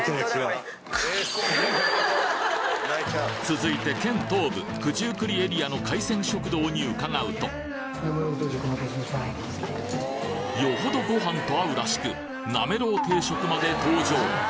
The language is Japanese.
続いて県東部九十九里エリアの海鮮食堂に伺うとよほどご飯と合うらしくなめろう定食まで登場！